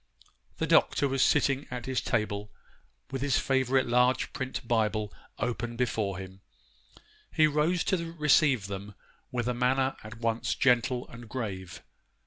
] The Doctor was sitting at his table with his favourite large print Bible open before him. He rose to receive them with a manner at once gentle and grave.